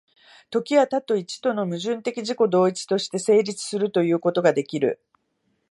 時は多と一との矛盾的自己同一として成立するということができる。